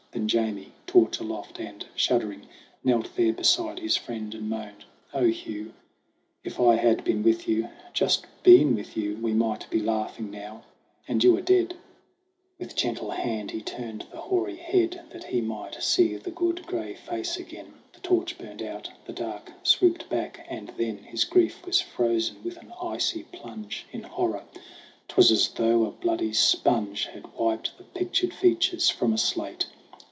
Then Jamie, torch aloft and shuddering, Knelt there beside his friend, and moaned : "O Hugh, If I had been with you just been with you ! We might be laughing now and you are dead." 14 SONG OF HUGH GLASS With gentle hand he turned the hoary head That he might see the good gray face again. The torch burned out, the dark swooped back, and then ' His grief was frozen with an icy plunge In horror. 'Twas as though a bloody sponge Had wiped the pictured features from a slate